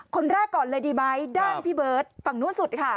คนแรกก่อนเลยดีไหมด้านพี่เบิร์ตฝั่งนู้นสุดค่ะ